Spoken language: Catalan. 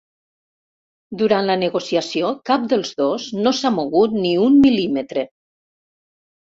Durant la negociació cap dels dos no s'ha mogut ni un mil·límetre.